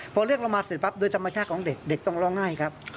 พอเรียกเรามาเสร็จปั๊บโดยธรรมชาติของเด็กเด็กต้องร้องไห้ครับ